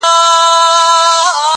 که یې لمبو دي ځالګۍ سوځلي.!